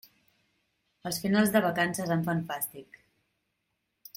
Els finals de vacances em fan fàstic.